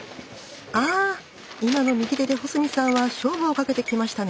あ今の右手で保住さんは勝負をかけてきましたね！